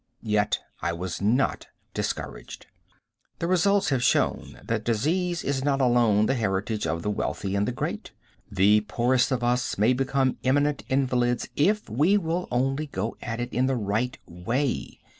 Yet I was not discouraged. The results have shown that disease is not alone the heritage of the wealthy and the great. The poorest of us may become eminent invalids if we will only go at it in the right way.